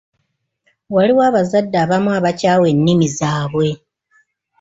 Waliwo abazadde abamu abakyawa ennimi zaabwe.